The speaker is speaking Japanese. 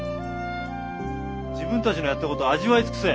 自分たちのやったことを味わい尽くせ。